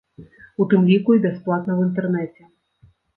У тым ліку і бясплатна ў інтэрнэце.